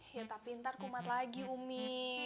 ya tapi ntar kumat lagi umi